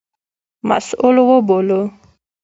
مسوول وبولو.